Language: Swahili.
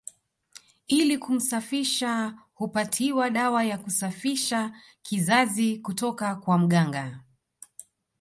Ili kumsafisha hupatiwa dawa ya kusafisha kizazi kutoka kwa mganga